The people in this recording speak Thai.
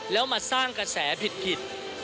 แล้วมาสร้างกระแสผิด